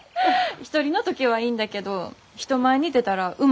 一人の時はいいんだけど人前に出たらうまく歌えなくて。